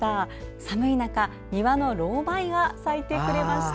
寒い中、庭のロウバイが咲いてくれました。